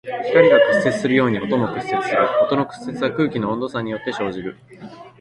光が屈折するように音も屈折する。音の屈折は空気の温度差によって生じる。